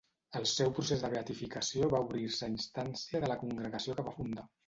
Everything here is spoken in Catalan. El seu procés de beatificació va obrir-se a instància de la congregació que va fundar.